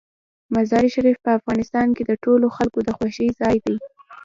مزارشریف په افغانستان کې د ټولو خلکو د خوښې ځای دی.